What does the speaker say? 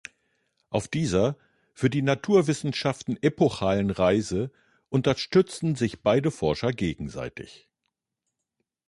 Auf dieser für die Naturwissenschaften epochalen Reise unterstützten sich beide Forscher gegenseitig.